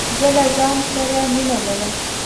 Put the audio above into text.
زه له ځانه سره مینه لرم.